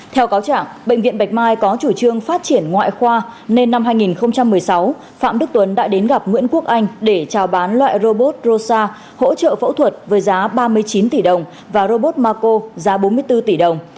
theo cáo chẳng bệnh viện bạch mai có chủ trương phát triển ngoại khoa nên năm hai nghìn một mươi sáu phạm đức tuấn đã đến gặp nguyễn quốc anh để trao bán loại robot rosa hỗ trợ phẫu thuật với giá ba mươi chín tỷ đồng và robot maco giá bốn mươi bốn tỷ đồng